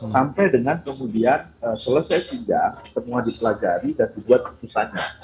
sampai dengan kemudian selesai singgah semua dipelajari dan dibuat putusannya